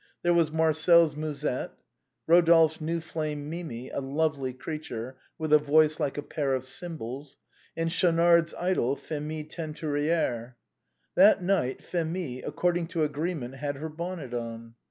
There was Marcel's Musette; Eodolphe's new flame, Mimi, a lovely creature, with a voice like a pair of cymbals; and Schau nard's idol, Phémie Teinturière. That night, Phémie, ac cording to agreement, had her bonnet on.